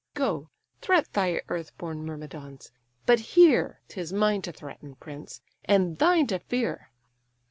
Go, threat thy earth born Myrmidons:—but here 'Tis mine to threaten, prince, and thine to fear.